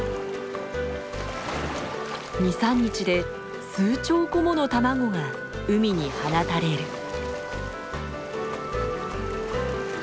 ２３日で数兆個もの卵が海に放たれる。